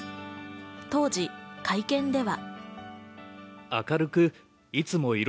当時会見では。